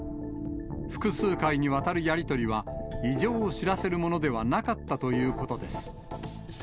複数回にわたるやり取りは、異常を知らせるものではなかったということです。